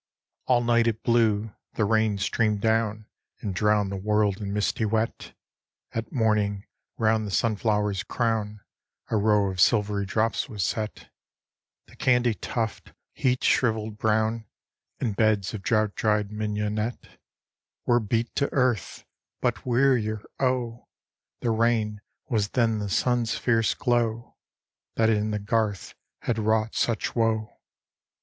All night it blew. The rain streamed down And drowned the world in misty wet. At morning, round the sunflower's crown A row of silvery drops was set; The candytuft, heat shrivelled brown, And beds of drought dried mignonette, Were beat to earth: but wearier, oh, The rain was than the sun's fierce glow, That in the garth had wrought such woe.